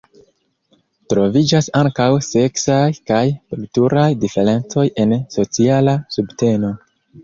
Troviĝas ankaŭ seksaj kaj kulturaj diferencoj en sociala subteno.